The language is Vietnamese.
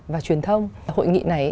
và truyền thông hội nghị này